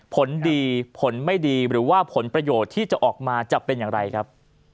ผลดีผลไม่ดีหรือว่าผลประโยชน์ที่จะออกมาจะเป็นอย่างไรครับ